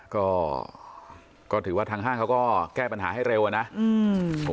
ก็ก็ถือว่าทางห้างเขาก็แก้ปัญหาให้เร็วอ่ะนะอืม